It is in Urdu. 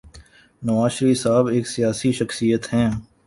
نواز شریف صاحب ایک سیاسی شخصیت ہیں۔